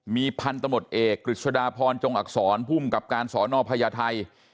มีพันธมตเอกกฤษฎาพรจงอักษรภูมิกับการสอนอพญาไทย